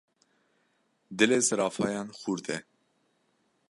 Dilê zirafayan xurt e.